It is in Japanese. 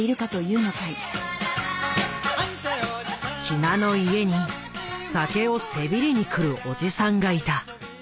喜納の家に酒をせびりにくるおじさんがいた。